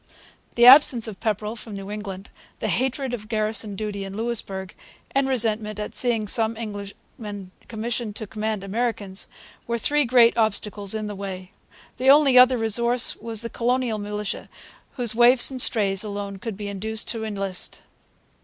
The absence of Pepperrell from New England, the hatred of garrison duty in Louisbourg, and resentment at seeing some Englishmen commissioned to command Americans, were three great obstacles in the way. The only other resource was the colonial militia, whose waifs and strays alone could be induced to enlist.